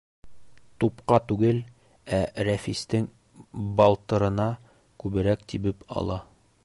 Тупҡа түгел, ә Рәфистең балтырына күберәк тибеп ала.